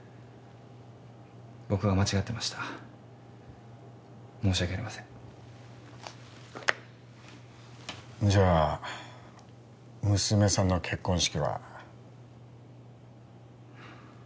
僕が間違ってました申し訳ありませんじゃあ娘さんの結婚式は？